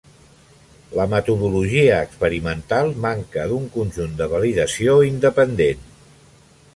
La metodologia experimental manca d'un conjunt de validació independent.